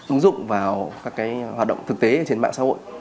ứng dụng vào các hoạt động thực tế trên mạng xã hội